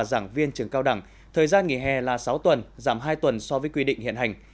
giảng viên trường cao đẳng thời gian nghỉ hè là sáu tuần giảm hai tuần so với quy định hiện hành